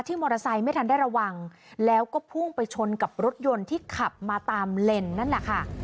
มอเตอร์ไซค์ไม่ทันได้ระวังแล้วก็พุ่งไปชนกับรถยนต์ที่ขับมาตามเลนนั่นแหละค่ะ